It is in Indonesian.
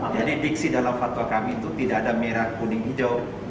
jadi diksi dalam fatwa kami itu tidak ada merah kuning hijau